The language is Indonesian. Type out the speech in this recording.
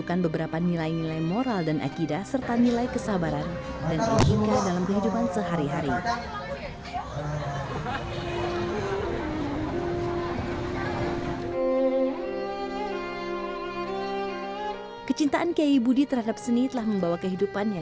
kecintaan kiai budi terhadap seni telah membawa kehidupannya